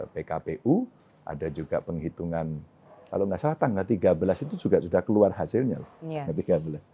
pkpu ada juga penghitungan kalau nggak salah tanggal tiga belas itu juga sudah keluar hasilnya loh tiga bulan